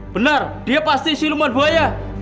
benar dia pasti siluman buaya